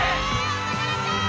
お宝ちゃん！